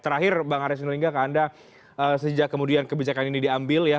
terakhir bang aris sinulinga ke anda sejak kemudian kebijakan ini diambil ya